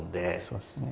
そうですね。